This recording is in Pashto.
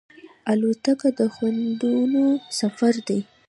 الوتکه د خوندونو سفر دی.